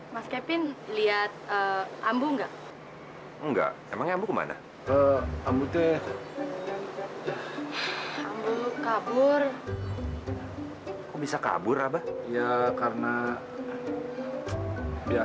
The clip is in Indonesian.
maaf pak salah satu suster kami menemukan surat ini di tempat tidurnya bu rosvita